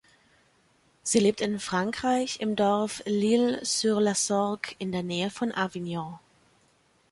Sie lebt in Frankreich im Dorf L’Isle-sur-la-Sorgue in der Nähe von Avignon.